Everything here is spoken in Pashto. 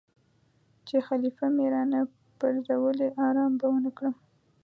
چې خلیفه مې را نه پرزولی آرام به ونه کړم.